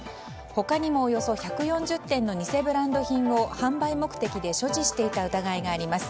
他にも、およそ１４０点の偽ブランド品を販売目的で所持していた疑いがあります。